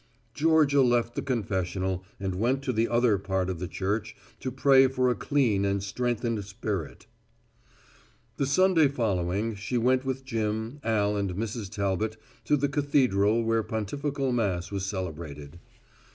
Georgia left the confessional and went to the other part of the church to pray for a clean and strengthened spirit. The Sunday following she went with Jim, Al and Mrs. Talbot to the cathedral where pontifical mass was celebrated.